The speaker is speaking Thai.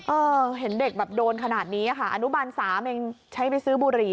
เออเห็นเด็กแบบโดนขนาดนี้ค่ะอนุบาล๓เองใช้ไปซื้อบุหรี่